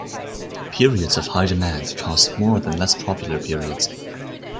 Periods of high demand cost more than less popular periods.